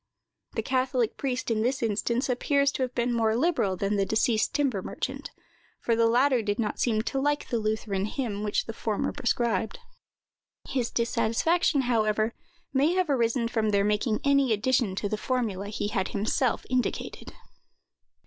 The catholic priest, in this instance, appears to have been more liberal than the deceased timber merchant, for the latter did not seem to like the Lutheran hymn which the former prescribed. His dissatisfaction, however, may have arisen from their making any addition to the formula he had himself indicated.